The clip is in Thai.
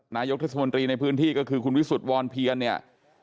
นายกเทศมนตรีในพื้นที่ก็คือคุณวิสุทธิวรเพียรเนี่ย